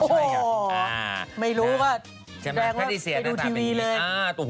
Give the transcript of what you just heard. อ๋อไม่รู้ว่าแดงว่าไปดูทีวีเลยอ่าใช่ไหมพาติเซียนนะครับเป็นอย่างนี้